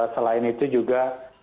selain itu juga